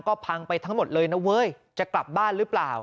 ก็พังไปทั้งหมดเลยนะเว้ยจะกลับบ้านหรือเปล่า